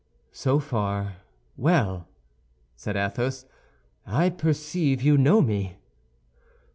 "So far, well," said Athos, "I perceive you know me."